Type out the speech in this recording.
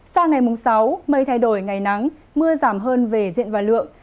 sang ngày mùng sáu mây thay đổi ngày nắng mưa giảm hơn về diện và lượng